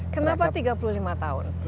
kenapa tiga puluh lima tahun